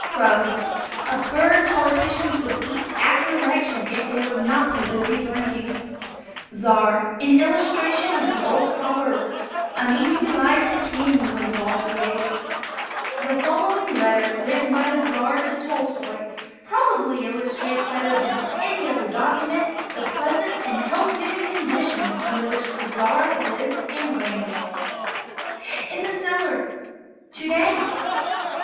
CROW. A bird politicians would eat after election if they were not so busy drinking. CZAR. An illustration of the old proverb, "Uneasy lies the King when falls the Ace." The following letter written by the Czar to Tolstoi probably illustrates better than any other document the pleasant and health giving conditions under which the Czar lives and reigns: In The Cellar, To day.